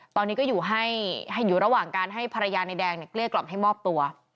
ตอนนี้ก็อยู่ให้อยู่ระหว่างการให้ภรรยานายแดงเนี่ยเกลี้ยกล่อมให้มอบตัว